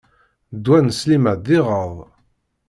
Ddwa n Sliman d iɣed.